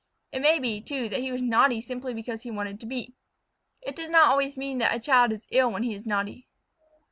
It may be, too, that he was naughty simply because he wanted to be. It does not always mean that a child is ill when he is naughty.